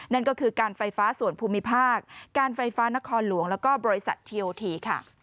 นั่นก็คือการไฟฟ้าส่วนภูมิภาคการไฟฟ้านครหลวงแล้วก็บริษัททีโอทีค่ะ